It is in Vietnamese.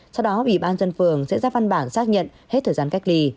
sau đó ủy ban dân phường sẽ ra văn bản xác nhận hết thời gian cách ly